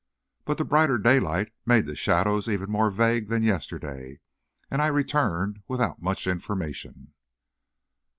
But the brighter daylight made the shadows even more vague than yesterday, and I returned without much information.